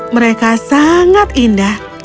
mereka sangat indah